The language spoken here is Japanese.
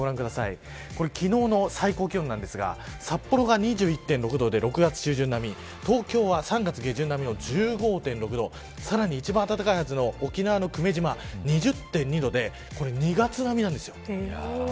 昨日の最高気温なんですが札幌が２１．６度で６月中旬並み東京は３月下旬並みの１５．６度さらに一番温かいはずの沖縄の久米島は２０．２度で２月並みなんです。